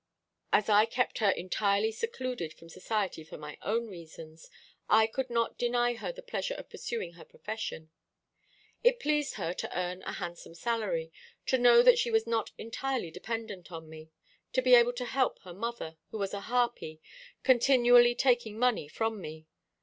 As I kept her entirely secluded from society for my own reasons, I could not deny her the pleasure of pursuing her profession. It pleased her to earn a handsome salary, to know that she was not entirely dependent on me, to be able to help her mother, who was a harpy, continually taking money from me.